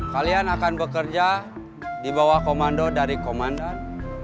kalian akan bekerja di bawah komando dari komandan